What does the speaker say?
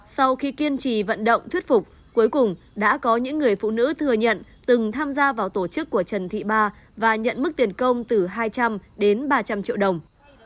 sau khi kiên trì vận động thuyết phục cuối cùng đã có những người phụ nữ thừa nhận từng tham gia vào tổ chức của trần thị ba và nhận mức tiền công từ hai trăm linh đến ba trăm linh triệu đồng